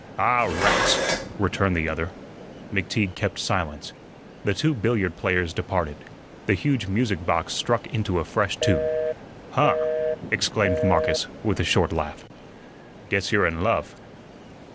"Ah, rats!" returned the other. McTeague kept silence. The two billiard players departed. The huge music box struck into a fresh tune. "Huh!" exclaimed Marcus, with a short laugh, "guess you're in love."